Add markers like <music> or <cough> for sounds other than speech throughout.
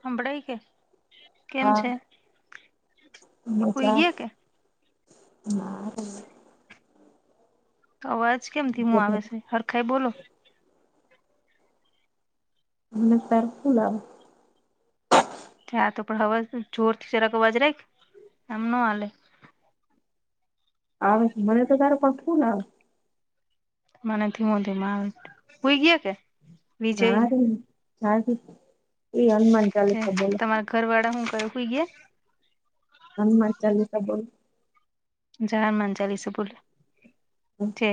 સાંભળાય કે કેમ છે હુઈ હછા ગયા કે હ અવાજ કેમ થીીમું આવે છે હરખાઈ બોલો અને તરફ લ ત તો પણ હવે જોરથી ચરાકવાજરાય એમ ન હલે આવે મને તો તારે પખવું ને આવે મ ધીમ ધીમા હો ગયા કે વિજયને ના ર એ હનુમાન ચાલીસા બોલો તમારા ઘર વાળા હું કુંઈ હમ મ ચાલ તો બોલ જર મંજાલી સ બોલે છે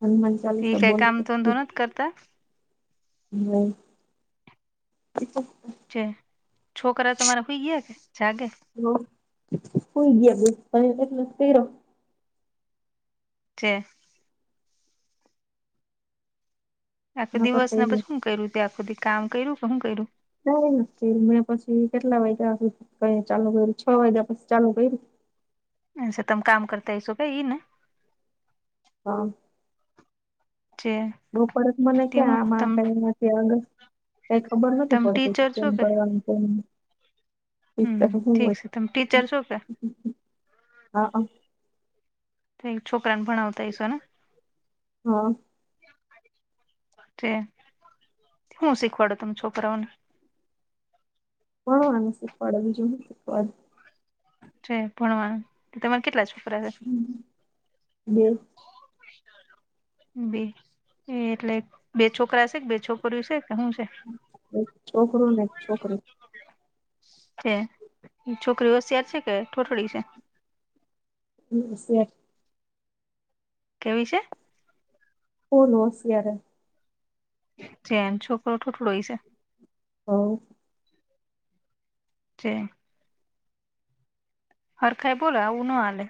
હનુમાન ચાલીસા ઠીક એ બોલો કામ ત દોનત કરતા હ હ છે છોકરા તમારા ખઈ ગયા કે જાગે હ હોઈ ગયા બે પ છે આખો દિવસ ના પછી શું કર્યું ત આખુંધી કામ કર્યું કે શું કર્યું ના કે મેં પછી કેટલા વાગ્યા ક ચાલુ કર છ વાગ્યા પછી ચાલુ કર્યું સ તમ કામ કરતા હ સોભાઈ ઈ ને હા છેે બપરત મને ક્યાં આમાં કઈમાંથીગ કઈ ખબર નથી તમ પડતી ટીચર છો કેમ કરવાનું કે હ હમ ઠીક છે તમે ટીચર છો કે હા તો છોકરાને ભણાવતાઈશ ને હા શું શીખવાડું તમે છોકરાઓને ભણવાનું શીખવાડે બીજું શું શીખવાડ છે ભણવાનું તમારે કેટલા છોકરા છે <inaudible> બે એટલે બે છોકરા છે કે બે છોકરી છે કે શું છે એક છોકરો ને છોકરી છે છોકરી હોશિયાર છે કે ઠોઠળી છે હ સ કેવી છે ઓલો છેયાર જેમ છોકરો થઠોટડોય છે હ છે હરખાાઈ બોલો આવું ના હાલે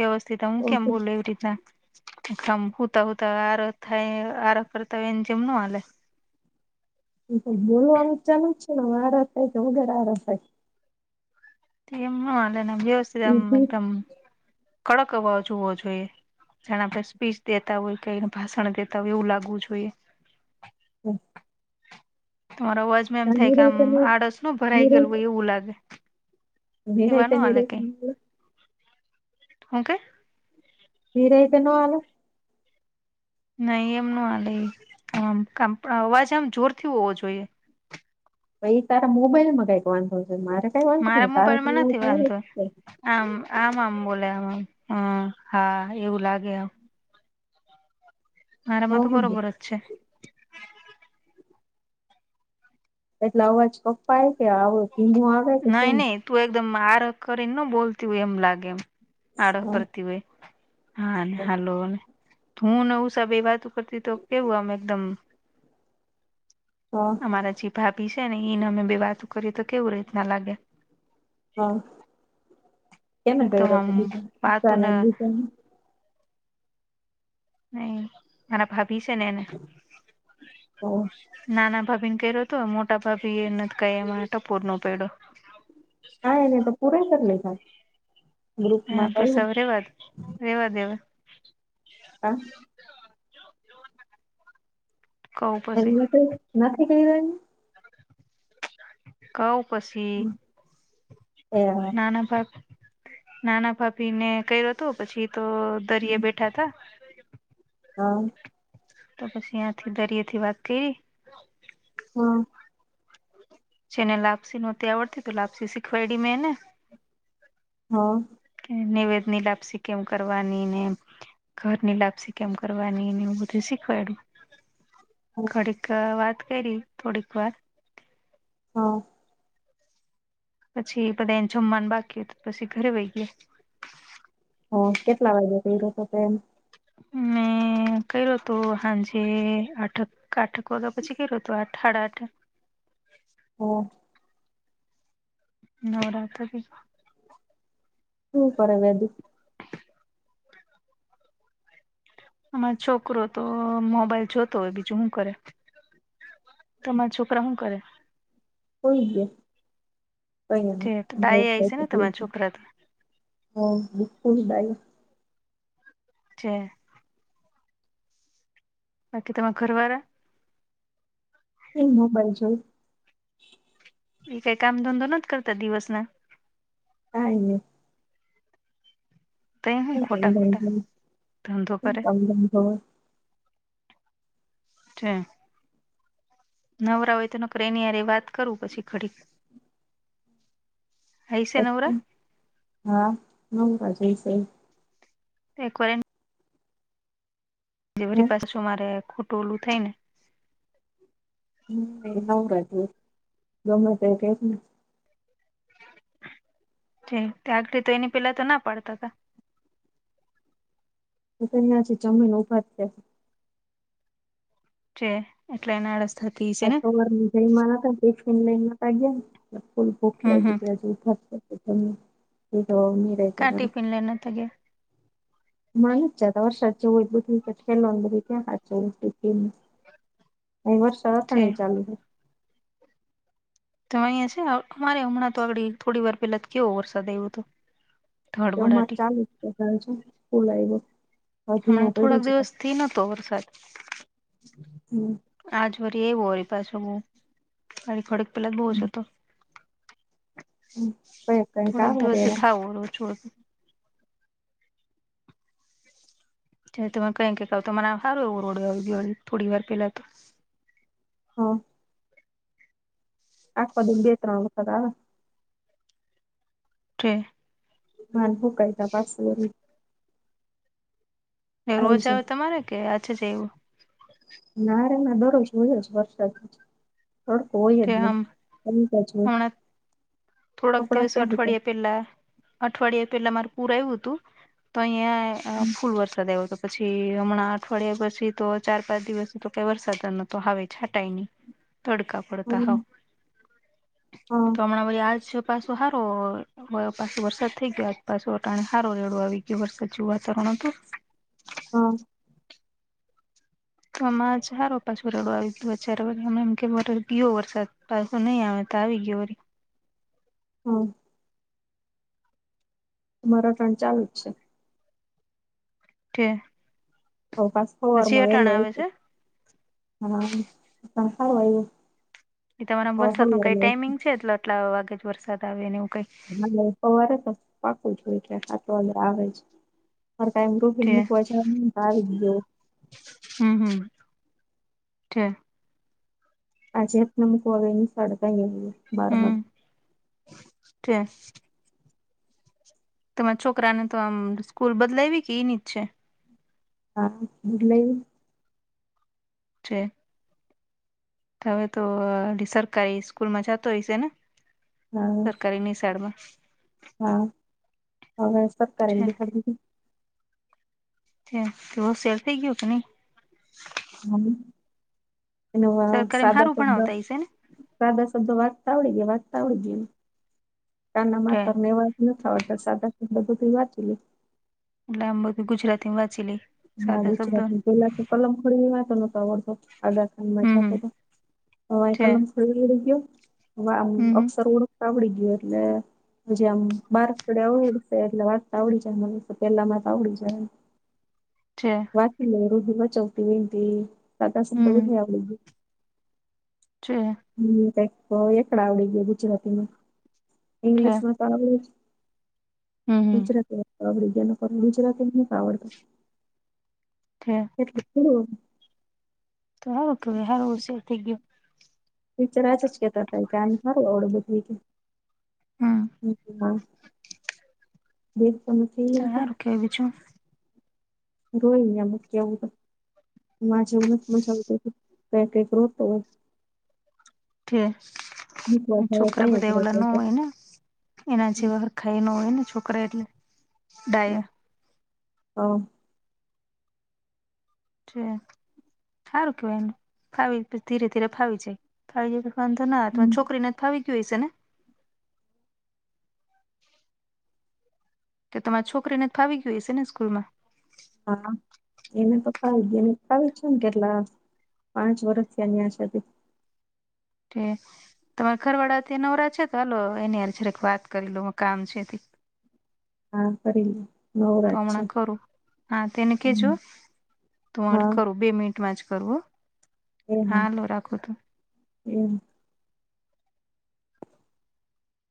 વ્યવસ્થિત હું કેમ તો બોલ એવી રીતના મ હૂતા હતા આરો થાય આરો કરતા હોય એને જેમ ન હાલે બોલવાનું ચાલુ જ છે આરો થાય કે વગર આરો થાય એમ નાને વ્યવસ્થિતમ ઈઝી એકદમ કડક અવાજ હોવો જોઈએ જાણે આપણે સ્પીચ દેતા હોય કે એને ભાષણ દેતા હોય એવું લાગવું જોઈએ હમ તમારો અવાજ માં એમ થાય કે આમ આળસ ન ભરાઈ ગયેલું હોય એવું લાગે નિરાયતે એવાનું હલે ક ન હાલે હું કે વરઈતા નવાલો નહી એમ ન હાલે આમ અવાજ આમ જોરથી હોવો જોઈએ એ તારા મોબાઈલ માં કઈક વાંધો છે મારે કઈ વાંધો મારા ન તારો મોબાઈલમાં નથી વાંધો આમ આમ આમ બોલે આમ આમ હમ હા એવું લાગે આમ મારામાં તો બરોબર જ છે એટલે અવાજ કપ્પાાય કે આવ નઈ નહી તું એકદમ આર કરીને ન બોલતી હોય એમ લાગે એમ આડહ હા કરતી હોય હા હાલો ને. હુંનેવું સાબ એ વાત કરતી તો કેવું આમ એકદમ હા અમારા જે ભાભી છે ને એને અમે બે વાતો કરીએ તો કેવું રીતના લાગે હા કેમે એકદમ ક્યો આમ વાતું હતો નહીં મારા ભાભી છે ને એને તો નાના. ભાભી ને કર્યો હતો મોટા ભાભી એને તો કાંઈ ફોન ના ઉપાડ્યો. હા એને તો પુરાય કર નાઇખા. હા બસ હવે રેવા દે રેવા દેવ હવે. હા. કવ પછી એની માટે નથી કહી રહી. કઉ પછી એ નાના ભાભ નાના ભાભી ને કર્યો હતો પછી તો દરીયે બેઠા હતા. હા. તો પછી ત્યાંથી દરિયેથી વાત કરી. હા. પછી એને લાપસી નહોતી આવડતી તો લાપસી શીખવાયડી મેં એને. હા. નિવેદની લાપસી કેમ કરવાની ને એમ. ઘરની લાપસી કેમ કરવાની ને એવું બધું શીખવાઈડુ. ઘડીક વાત કઈરી થોડીક વાર. હા. પછી બધાએને જમવાનું બાકી હતું પછી ઘરે વહી ગઈ. હ કેટલા વાગે કર્યો હતો તેમ. હમ્મ. હમ્મ કર્યો તો હાંજે આઠક આઠક વાગ્યા પછી કર્યો તો આઠ હાડા આઠ. હમ્મ. નવરાત્રીમાં. શું કરે વેલી? અમારો છોકરો તો મોબાઈલ જોતો હોય બીજું હું કરે. તમારા છોકરા હું કરે? હુઈ જે ડાય આય છે ને તમારા ગ્યા. <unintelligible> છોકરા તો હો દીપુડી બાઈ. છેે. બાકી તમારા ઘરવારા. એ મોબાઈલ જોય. ઈ કઈ કામ ધંધો નથી કરતા દિવસના. કાંઈ ની. તેહ હું ખોટા ખોટા ધંધો કરે. છે. નવરા હોય તો નકર એનીય હારે વાત કરું પછી ઘડીક. હૈસે નવરા પછી. હા નંબર જોઈસે. <unintelligible> તે હે વરી પાસે શું મારે ખોટું ઓલું થાય ને. હમ્મ એ ન કઇરુ ગમે તે કેત ને. ઠીક. કાલથી તો એની પેલા તો ના પાડતા હતા. હું તો ન્યાં થી જમીન ને ઉભા જ થયા. છે એટલે એનારસ આજ સવારમાં જઈમા નતાં ટિફિન લઈને નતા ગ્યાને એટલે ફૂલ ભૂખ હમ હમ લાઈગી. <unintelligible> એ તો ક નિરાંતે કરે ટિફિન લના તેગ મ જદ વર્ષ ઉું કિકટ ખેનું બી્યા હાજ અ વર્ષ સરા જે સણે ચાલુ છે. તો અહીંયા છે અમારે હમણાં તો આગડી થોડી વાર પેલા કેવો વરસાદ આવ્યો હતો. એવું મારે ધડબડાટી ચાલુજ છે. તારે જો કોલ આઈવો. હમણા થોડાક દિવસથી નતો વરસાદ. હમ્મ આજ વરી એવું હોય પાસુ આની થોડીક પેલા બહુ જ ઓછો તો. હમ કોઈકઈ ક વાર એડા ું છુંું તમે કઈ કઈક તો મને સારું એવું રોડ ગળી થોડી વાર પેલા તો હા આાકપ દ બેે ત ન આવકદા પ ભાન હો કઈ ત પાસ રોજ આવી જાય આવે તમારે કે આજે છે એવું નારે એમાં દરરોજ હોય જ વરસાદ હ કોય કે આમ એની એચ હમણાં થોડાક દિવસ અઠવાડિયા પેલા અઠવાડિયા પેલા માર પૂર આવું હતું તો અહિયાં ફૂલ વરસાદ આવ્યો તો પછી હમણાં અઠવાડિયા પછી તો ચાર પાંચ દિવસ તો કઈ વરસાદ ન આવે છાંટાયની તડકા પડતા હમ્મ. હો હા તો હમણાં બરી આજ છે પાછું સારું પાછો વરસાદ થઈ ગયો આજ પાછો વટાણી હારો રેડો આવી ગયો વરસાદ જેવું વાતાવરણ હતું હા તો આમાં ચારો પાછો રડો આવી ગયું અ્યારે અમેમ કે ગીયો વરસાદ પા સુન આવે ત આવીી ગવરી હા મારોથણ ચાલુ જ છે તે તો પા ફરમાં વેલો આવે હોય છે હા પણ સારું આવું એ તમારા વરસાદ નું કઈ ટાઈમિંગ છે એટલે આટલા વાગે જ વરસાદ આવે નેવું કઈ સવારે તો પાકું જોય છે હા તો હ આવે જ કઈ ગ્રુ છે એમની કોચ નાયો હમ હમ છે આજત નમક વગેની સડકા ગ બારબર ટ્રેસ તમારા છોકરાને તો આમ સ્કૂલ બદલાવી કે એની છે હા બટ લ છે હવે તો સરકારી સ્કૂલ માં જતો હોયશે ને હા સરકારી ની સાઈડ માં હા હવે સબ કરેગ છે ફરીથી સેર થઈ ગયો કેની હમ એનોવા સરકારી સાદા સારું સોધા ભણાવતા હશે ને સાદા શબદો વાચતા આવડી ગયા વાંચતા આવડી ગયા કાના છે માતર ને ન ખતર સાા બધું તો વાંચ લે એટલે આમ બધું ગુજરાતી માં વાચી લઈ હા ગુજરાત ની પેલા તો કલમ ખોડી ની વાતો નતો આવડતો આગા ખાંડમાં હમ હમ જતો તો હય છે કલમ ફોડી ઉડી ગયો હમ હમ અક્ષર ઓળખતા આવડી ગયો એટલે જે આમ માર્ક <unintelligible> એટલે વાંચતા આવડી જશે એટલે પેલા મા તો આવડી જહે છે વાકી રોઢી બચાવતી વનતી દાદા હમ શબ્દ હમ બધ આપડ છે હ ક એકળ આવડી ગયા ગુજરાતીમાં છે ઈંગ્લિશમાં ગુજરાતી ગ હમ હમ ન ગુજરાતી ન આવડ છે એટલેું તોારું હારું શર થઈ ગયું પીચરજ જ કેતા ત ગાનડું બધું કે હમ <unintelligible> કે બીજું રોઈ એ ત્યા મૂકી આવું વાહ જેવી નથી મજા આવતી પક રોતો હોય નીકળો ર છોકરા થાય બધા તઈ જ ઓલા ન રોતો હોય ને એના હતો જેવા હરખા પણ ન હોય ને છોકરા એટલે ડાયા હ છે સારું કેવાય ફાવી ધીરે ધીરે ફાવી જાય થાય વાંધો ન આવે પણ છોકરીને તો થાવી જોયશે ને કે તમારી છોકરીને ફાવી ગયુ હશે ને સ્કૂલમાં હા એને પ્પાવ એને પ્પાવ છે ને કેટલા પાંચ વર્ષથી ન્યા છે તી ઠીક તમારે ઘરવાડા તય નવરા છે તો હાલો એની હારે જરીક વાત કરી લવ કામ છે તી હા કરીશ લ્યો તો હમણાં કરું હા તેને કેજો તો હ હા કરું બે મિનટ જ કરું હો હાલ રાખો તો એમ